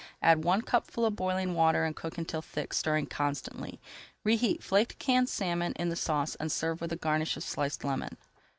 Add one cupful of boiling water and cook until thick, stirring constantly. Reheat flaked canned salmon in the sauce and serve with a garnish of sliced lemon.